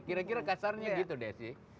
kira kira kasarnya gitu desi